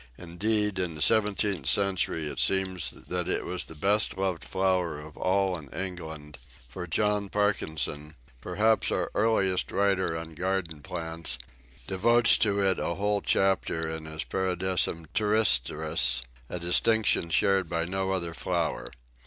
Indeed, in the seventeenth century it seems that it was the best loved flower of all in England; for John Parkinson, perhaps our earliest writer on garden plants, devotes to it a whole chapter in his "Paradisus Terrestris," a distinction shared by no other flower.